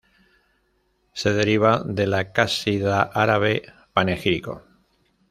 Se deriva de la casida árabe panegírico.